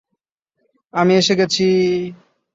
আমি এসে গেছি!